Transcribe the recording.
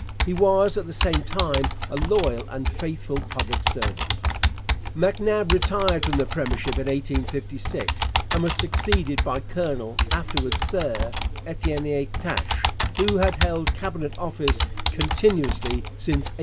He was at the same time a loyal and faithful public servant. MacNab retired from the premiership in 1856 and was succeeded by Colonel (afterwards Sir) Étienne Taché, who had held Cabinet office continuously since 1848.